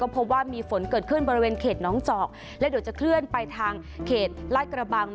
พบว่ามีฝนเกิดขึ้นบริเวณเขตน้องเจาะและเดี๋ยวจะเคลื่อนไปทางเขตลาดกระบัง